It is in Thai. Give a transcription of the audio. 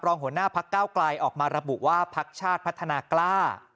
หัวหน้าพักเก้าไกลออกมาระบุว่าพักชาติพัฒนากล้า